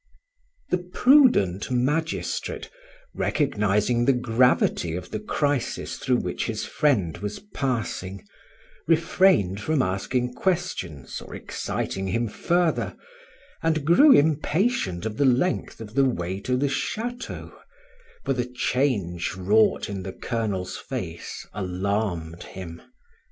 The prudent magistrate, recognizing the gravity of the crisis through which his friend was passing, refrained from asking questions or exciting him further, and grew impatient of the length of the way to the chateau, for the change wrought in the Colonel's face alarmed him.